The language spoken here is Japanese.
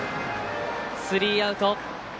スリーアウト。